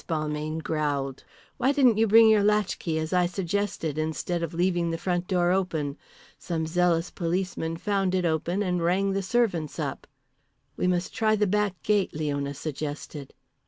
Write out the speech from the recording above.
Balmayne growled. "Why didn't you bring your latchkey as I suggested, instead of leaving the front door open? Some zealous policeman found it open and rang the servants up." "We must try the back gate," Leona suggested.